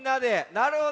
なるほどね。